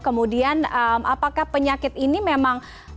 kemudian apakah penyakit ini memang